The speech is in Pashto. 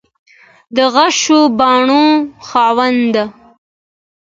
د غشو بڼو خاونده ده